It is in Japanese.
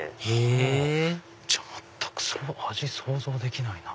へぇじゃあ全くその味想像できないな。